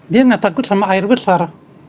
dia nggak takut sama air besar